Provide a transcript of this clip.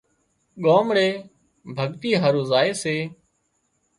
ڳامڙي ڀڳتي هارو زائي سي